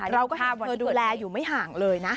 เราก็เห็นค่ะเธอดูแลอยู่ไม่ห่างเลยนะ